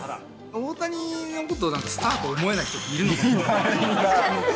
大谷のこと、なんかスターと思えない人っているのかなと思って。